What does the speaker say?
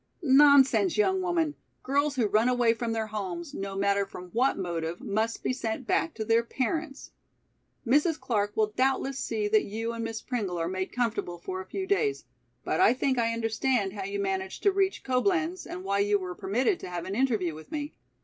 "Nonsense, young woman, girls who run away from their homes no matter from what motive, must be sent back to their parents. Mrs. Clark will doubtless see that you and Miss Pringle are made comfortable for a few days. But I think I understand how you managed to reach Coblenz and why you were permitted to have an interview with me.